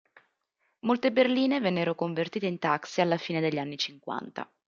Molte berline vennero convertite in taxi alla fine degli anni cinquanta.